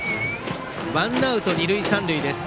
ワンアウト二塁三塁です。